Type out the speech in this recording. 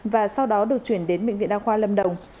và sau đó được chuyển đến bệnh viện đa khoa lâm đồng